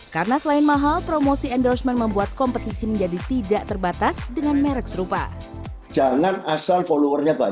karena selain mahal promosi endorsement membuat konsumen yang berpengaruh